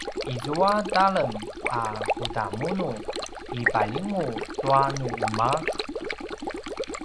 izua talem a kudamunu i palingulj tua nu umaq?